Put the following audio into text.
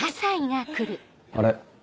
あれ？